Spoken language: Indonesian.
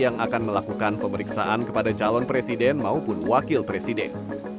yang akan melakukan pemeriksaan kepada calon presiden maupun wakil presiden